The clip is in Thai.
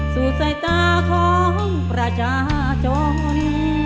สู่สายตาของประชาชน